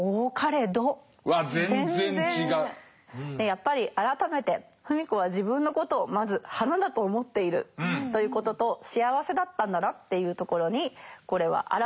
やっぱり改めて芙美子は自分のことをまず花だと思っているということと幸せだったんだなっていうところにこれは表れてると思います。